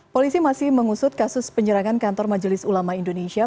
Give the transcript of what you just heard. polisi masih mengusut kasus penyerangan kantor majelis ulama indonesia